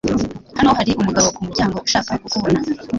Hano hari umugabo kumuryango ushaka kukubona.